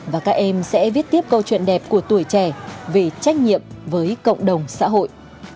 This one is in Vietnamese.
và các em sẽ viết tiếp câu chuyện đẹp của tuổi trẻ về trách nhiệm với cộng đồng xã hội